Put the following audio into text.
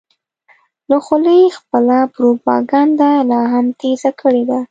له خولې خپله پروپیګنډه لا هم تېزه کړې ده.